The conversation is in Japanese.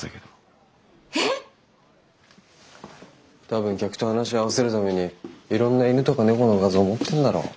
多分客と話を合わせるためにいろんな犬とか猫の画像持ってんだろう。